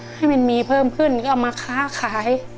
ให้มันมีเพิ่มขึ้นก็เอามาค้าขาย